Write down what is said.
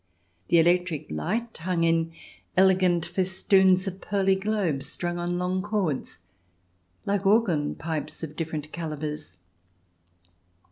The electric light hung in elegant festoons of pearly globes strung on long cords, like organ pipes of different calibres.